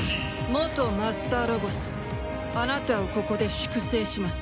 元マスターロゴスあなたをここで粛清します。